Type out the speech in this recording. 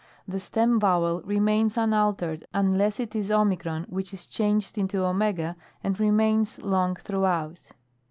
The stem vowel remains unaltered, unless it is Oy which is changed into eo^ and remains long through out.